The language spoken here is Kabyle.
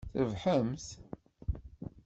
Trebḥemt?